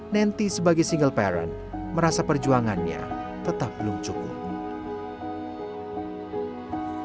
nenty sebagai single parent merasa perjuangannya tetap belum cukup